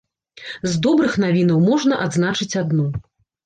З добрых навінаў можна адзначыць адну.